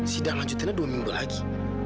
sidang lanjutannya dua minggu lagi